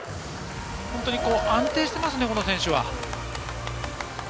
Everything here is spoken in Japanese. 本当に安定していますね、この選手は。